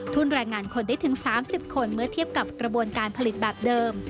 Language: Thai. แรงงานคนได้ถึง๓๐คนเมื่อเทียบกับกระบวนการผลิตแบบเดิม